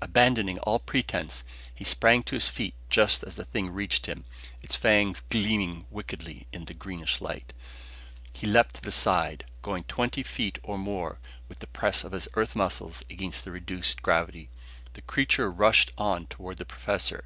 Abandoning all pretense, he sprang to his feet just as the thing reached him, its fangs gleaming wickedly in the greenish light. He leaped to the side, going twenty feet or more with the press of his Earth muscles against the reduced gravity. The creature rushed on toward the professor.